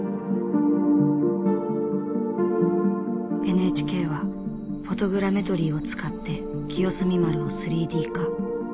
ＮＨＫはフォトグラメトリーを使って清澄丸を３Ｄ化。